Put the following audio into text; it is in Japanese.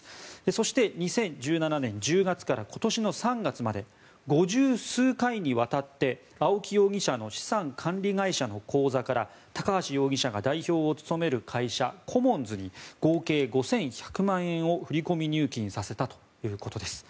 そして、２０１７年１０月から今年の３月まで５０数回にわたって青木容疑者の資産管理会社の口座から高橋容疑者が代表を務める会社コモンズに合計５１００万円を振込入金させたということです。